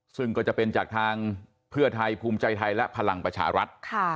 ซึ่งก็จะเป็นจากทางเพื่อไทยภูมิใจไทยและพลังประชารัฐ